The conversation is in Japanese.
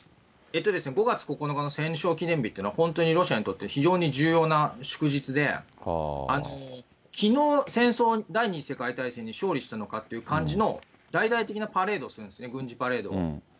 ５月９日の戦勝記念日というのは、本当にロシアにとって非常に重要な祝日で、きのう第２次世界大戦に勝利したのかっていう感じの大々的なパレードをするんですね、軍事パレード。